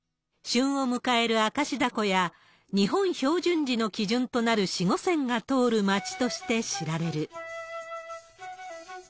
旬を迎える明石ダコや、日本標準時の基準となる子午線が通る町として知られる。